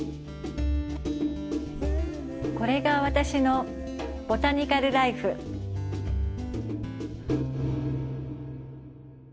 これが私のボタニカル・らいふ。